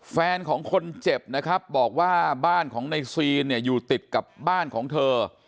แฟนของคนเจ็บนะครับบอกว่าบ้านของในซีนเนี่ยอยู่ติดกับบ้านของเธอ